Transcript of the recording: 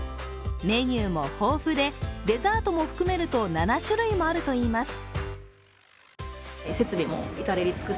メニューも豊富で、デザートも含めると７種類もあるといいます。